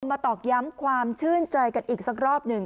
ตอกย้ำความชื่นใจกันอีกสักรอบหนึ่ง